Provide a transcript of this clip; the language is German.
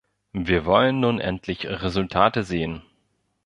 Wir wollen nun endlich Resultate sehen.